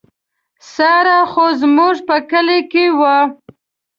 ساړه خو زموږ په کلي کې وو.